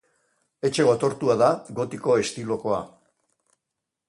Etxe gotortua da, gotiko estilokoa.